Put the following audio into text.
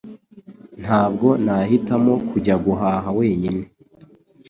Ntabwo nahitamo kujya guhaha wenyine